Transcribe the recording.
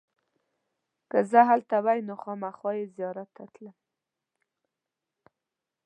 که زه هلته وای نو خامخا یې زیارت ته تلم.